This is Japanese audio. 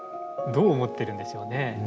どう思ってるんでしょうね。